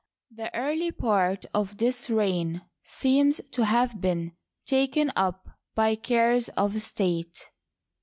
The early part of this reign seems to have been taken up by cares of state.